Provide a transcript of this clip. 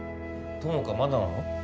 友果まだなの？